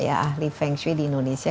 ahli feng shui di indonesia